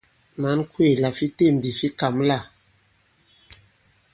Mǎn kwéè la fi têm ndi fi kǎm lâ ?